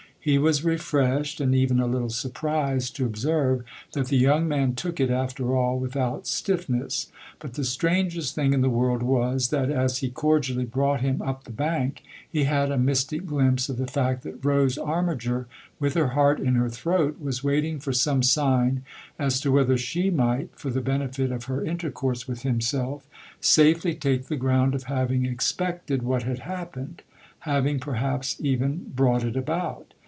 He was refreshed and even a little surprised to observe that the young man took it, after all, with out stiffness ; but the strangest thing in the world was that as he cordially brought him up the bank he had a mystic glimpse of the fact that Rose Armiger, with her heart in her throat, was waiting for some sign as to whether she might, for the benefit of her intercourse with himself, safely take the ground of having expected what had happened having perhaps even brought it about.